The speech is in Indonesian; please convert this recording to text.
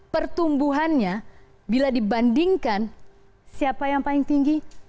pertumbuhannya bila dibandingkan siapa yang paling tinggi